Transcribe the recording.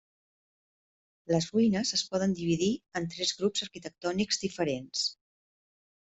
Les ruïnes es poden dividir en tres grups arquitectònics diferents.